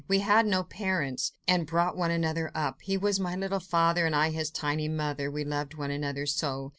We had no parents, and brought one another up. He was my little father, and I, his tiny mother; we loved one another so.